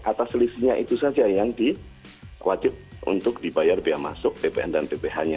atas selisihnya itu saja yang diwajib untuk dibayar biaya masuk ppn dan pph nya